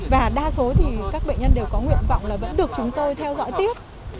và đa số thì các bệnh nhân đều có nguyện vọng là vẫn được chúng tôi theo dõi tiếp